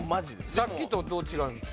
さっきとどう違うんです？